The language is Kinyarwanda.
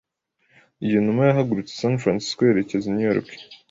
Iyo numa yahagurutse i San Francisco yerekeza i New York.